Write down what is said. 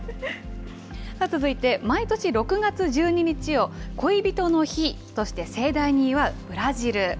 続いて、毎年６月１２日を恋人の日として盛大に祝うブラジル。